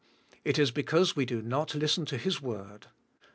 It is because we do not listen to His word.